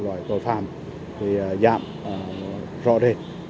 các loại tội phạm thì giảm rõ rệt